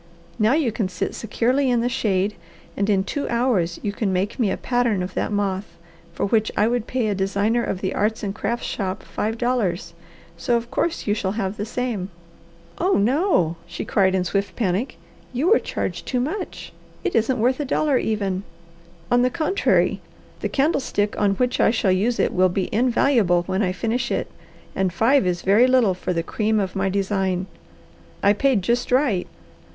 Now you can sit securely in the shade, and in two hours you can make me a pattern of that moth, for which I would pay a designer of the arts and crafts shop five dollars, so of course you shall have the same." "Oh no!" she cried in swift panic. "You were charged too much! It isn't worth a dollar, even!" "On the contrary the candlestick on which I shall use it will be invaluable when I finish it, and five is very little for the cream of my design. I paid just right.